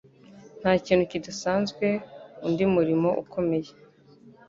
Nta kintu kidasanzwe. Undi murimo ukomeye.